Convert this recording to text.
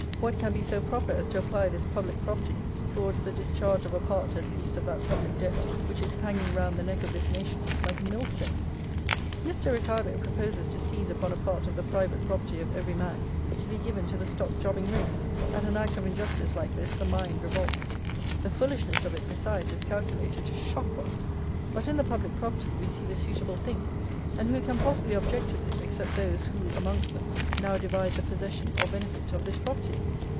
What can be so proper as to apply this public property towards the discharge of a part, at least, of that public debt, which is hanging round the neck of this nation like a mill stone? Mr. Ricardo proposes to seize upon a part of the private property of every man, to be given to the stock jobbing race. At an act of injustice like this the mind revolts. The foolishness of it, besides, is calculated to shock one. But in the public property we see the suitable thing. And who can possibly object to this, except those, who, amongst them, now divide the possession or benefit of this property?